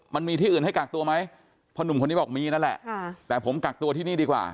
มันมีที่อื่นให้กักตัวไหมพ่อหนุ่มคนนี้บอกมีนั่นแหละแต่ผมกักตัวที่นี่ดีกว่า